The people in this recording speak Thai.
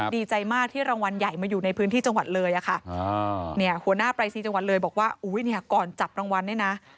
ดีใจมากที่รางวัลใหญ่มาอยู่ในพื้นที่จังหวัดเลยหัวหน้าปลายสนียจังหวัดเลยบอกว่าก่อนจับรางวัลนี่นะ